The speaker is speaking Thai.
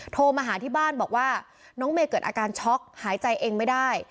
โทรมาหาที่บ้านบอกว่าน้องเมย์เกิดอาการช็อกหายใจเองไม่ได้